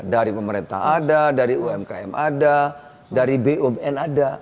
dari pemerintah ada dari umkm ada dari bumn ada